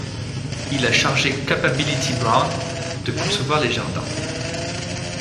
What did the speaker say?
Il a chargé Capability Brown de concevoir les jardins.